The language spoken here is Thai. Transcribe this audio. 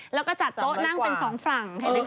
แล้วก็จัดโต๊ะนั่งเป็นสองฝั่งแค่นี้เอง